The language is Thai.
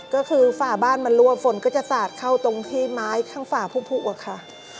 ก็คือฝ่าบ้านมันรั่วฝนก็จะสาดเข้าตรงที่ไม้ข้างฝ่าผู้อะค่ะ